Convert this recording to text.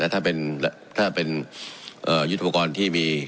ถ้าเป็นยุทธปกรณ์ที่มี